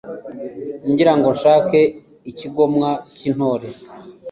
ngira ngo nshake ikigomwa cyintore